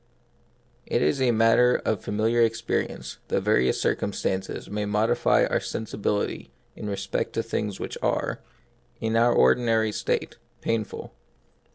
It is matter of familiar experience that various circumstances may modify our sensibility in respect to things which are, in our ordinary state, painful.